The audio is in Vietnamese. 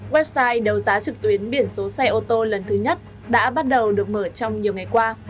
website đấu giá trực tuyến biển số xe ô tô lần thứ nhất đã bắt đầu được mở trong nhiều ngày qua